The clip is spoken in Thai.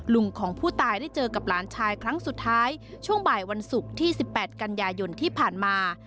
ของผู้ตายได้เจอกับหลานชายครั้งสุดท้ายช่วงบ่ายวันศุกร์ที่๑๘กันยายนที่ผ่านมา